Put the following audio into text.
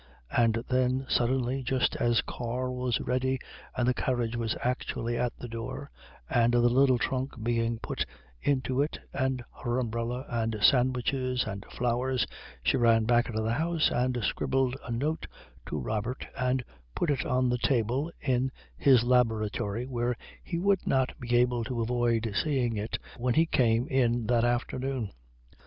And then suddenly, just as Karl was ready and the carriage was actually at the door and the little trunk being put into it, and her umbrella and sandwiches and flowers, she ran back into the house and scribbled a note to Robert and put it on the table in his laboratory where he would not be able to avoid seeing it when he came in that afternoon.